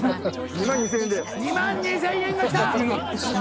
２万２０００円がきた！